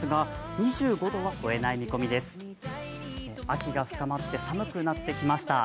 秋が深まって寒くなってきました。